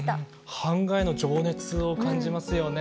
板画への情熱を感じますよね。